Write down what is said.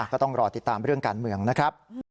ก็ต้องรอติดตามเรื่องการเมืองนะครับ